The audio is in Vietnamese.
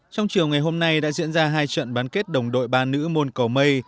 trong chiều ngày hôm nay đã diễn ra hai trận bán kết đồng đội ba nữ môn cầu mây